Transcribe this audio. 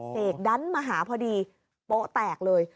เสกดันมาหาพอดีโป๊ะแตกเลย